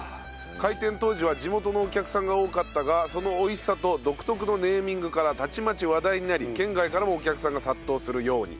開店当時は地元のお客さんが多かったがその美味しさと独特のネーミングからたちまち話題になり県外からもお客さんが殺到するように。